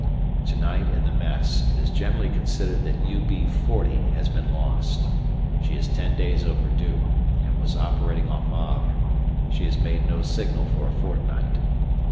To night in the Mess it is generally considered that U.B.40 has been lost; she is ten days overdue and was operating off Havre, she has made no signal for a fortnight.